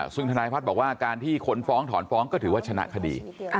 ซึ่งธนายพัฒน์บอกว่าการที่คนฟ้องถอนฟ้องก็ถือว่าชนะคดี